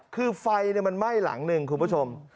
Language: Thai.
คือไฟมันไหม้หลังหนึ่งคุณผู้ชม